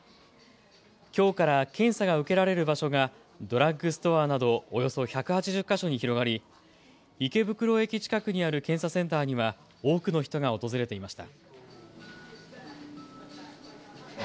きょうから検査が受けられる場所がドラッグストアなどおよそ１８０か所に広がり池袋駅近くにある検査センターには多くの人が訪れていました。